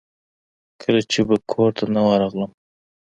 کله چې به کورته نه ورغلم.